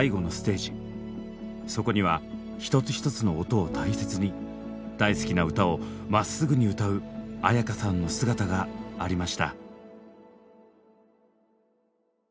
そこには一つ一つの音を大切に大好きな歌をまっすぐに歌う絢香さんの姿がありました。